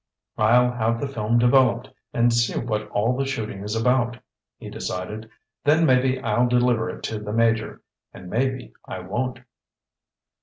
"I'll have the film developed and see what all the shooting is about," he decided. "Then maybe I'll deliver it to the Major, and maybe I won't."